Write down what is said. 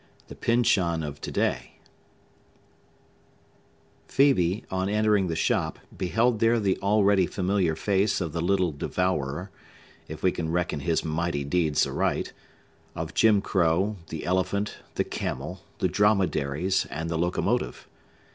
The Pyncheon of To day Phœbe, on entering the shop, beheld there the already familiar face of the little devourer—if we can reckon his mighty deeds aright—of Jim Crow, the elephant, the camel, the dromedaries, and the locomotive.